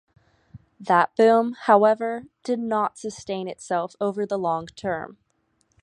That boom, however, did not sustain itself over the long term.